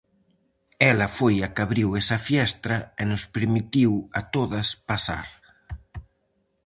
Ela foi a que abriu esa fiestra e nos permitiu, a todas, pasar.